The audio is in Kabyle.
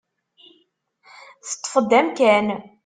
Teṭṭef-d amkan.